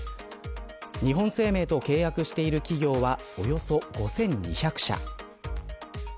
日本生命と契約している企業はおよそ５２００社。